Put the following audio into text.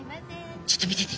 ちょっと見てて。